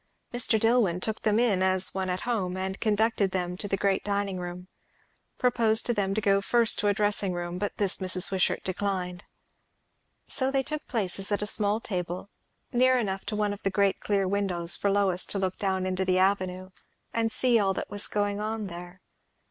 Mr. Dillwyn took them in as one at home, conducted them to the great dining room; proposed to them to go first to a dressing room, but this Mrs. Wishart declined. So they took places at a small table, near enough to one of the great clear windows for Lois to look down into the Avenue and see all that was going on there.